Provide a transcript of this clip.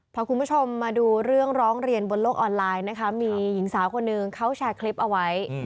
พาคุณผู้ชมมาดูเรื่องร้องเรียนบนโลกออนไลน์นะคะมีหญิงสาวคนหนึ่งเขาแชร์คลิปเอาไว้